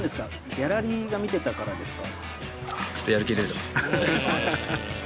ギャラリーが見てたからですか？